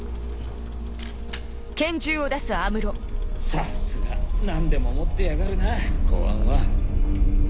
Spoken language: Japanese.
さすが何でも持ってやがるな公安は。